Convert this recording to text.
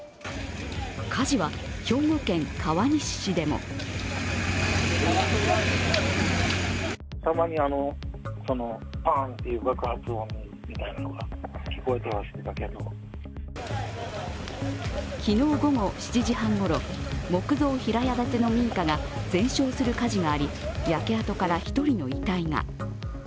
火事は兵庫県川西市でも昨日午後７時半ごろ、木造平屋建ての民家が全焼する火事があり、焼け跡から１人の遺体が。